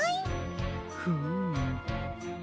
フーム。